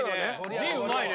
字うまいね。